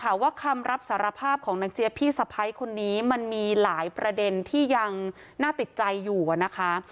ว่าคำรับสารภาพของนางเจี๊ยพี่สะพ้ายคนนี้มันมีหลายประเด็นที่ยังน่าติดใจอยู่นะคะ